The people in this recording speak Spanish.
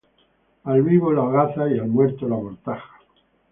Al vivo la hogaza y al muerto, la mortaja.